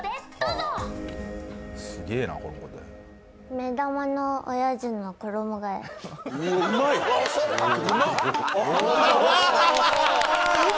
目玉のおやじの衣替えうわ